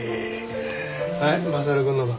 はい将くんの番。